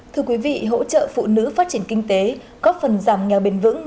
thưa quý vị hỗ trợ phụ nữ phát triển kinh tế góp phần giảm nghèo bền vững